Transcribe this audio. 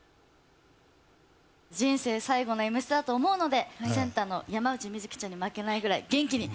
人生最後の『Ｍステ』だと思うのでセンターの山内瑞葵ちゃんに負けないぐらい元気に。